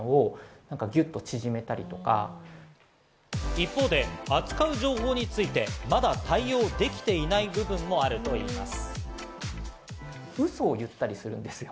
一方で扱う情報について、まだ対応できていない部分もあるといいます。